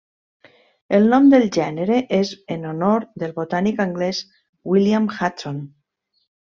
El nom del gènere és en honor del botànic anglès William Hudson.